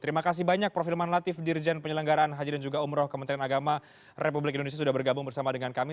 terima kasih banyak prof hilman latif dirjen penyelenggaraan haji dan juga umroh kementerian agama republik indonesia sudah bergabung bersama dengan kami